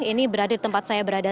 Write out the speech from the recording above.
ini berada di tempat saya berada